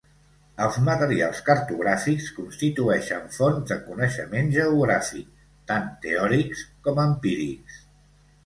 Els materials cartogràfics constitueixen fonts de coneixement geogràfic, tant teòrics com empírics.